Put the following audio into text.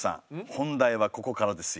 本題はここからですよ。